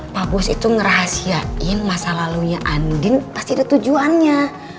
pak bos itu ngerahasiain masa lalunya andin pasti ada tujuannya